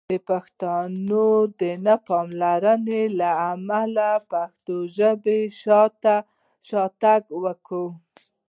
د پښتنو د نه پاملرنې له امله پښتو ژبې شاتګ وکړ!